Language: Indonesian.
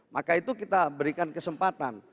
maka itu kita berikan kesempatan